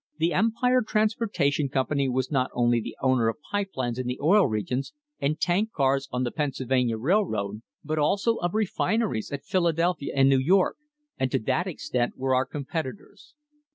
The Empire Transportation Company was not only the owner of pipe lines in the Oil Regions, and tank cars on the Pennsylvania Railroad, but also of refineries at Philadelphia and New York, and to that extent were our competitors.